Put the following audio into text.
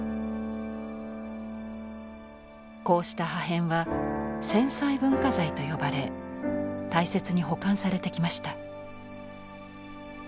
こうした破片は「戦災文化財」と呼ばれ大切に保管されてきました。